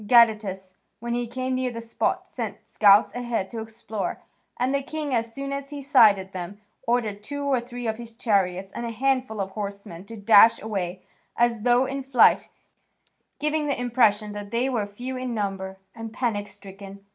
Gadatas, when he came near the spot, sent scouts ahead to explore, and the king, as soon as he sighted them, ordered two or three of his chariots and a handful of horsemen to dash away as though in flight, giving the impression that they were few in number and panic stricken.